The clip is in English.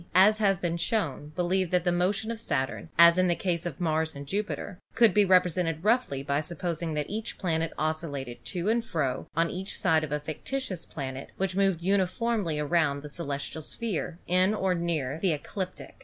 [?]), as has been shown, believed that the motion of Saturn, as in the case of Mars and Jupiter, could be represented roughly by supposing that each planet oscillated to and fro on each side of a fictitious planet which moved uniformly around the celes tial sphere in or near the ecliptic.